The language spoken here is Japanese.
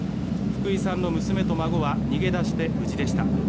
福井さんの娘と孫は逃げ出して無事でした。